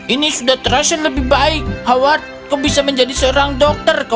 ini sudah terasa lebih baik howard kau bisa menjadi seorang orang yang baik